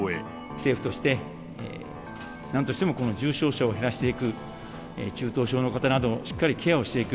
政府として、なんとしてもこの重症者を減らしていく、中等症の方などのしっかりケアをしていく。